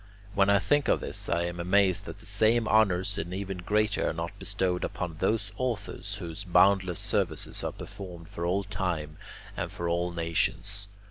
When I think of this, I am amazed that the same honours and even greater are not bestowed upon those authors whose boundless services are performed for all time and for all nations.